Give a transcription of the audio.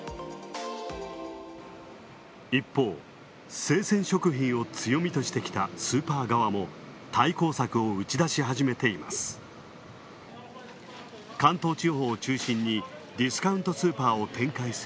一方、生鮮食品を強みとしてきたスーパー側も対抗策を打ち出し始めています。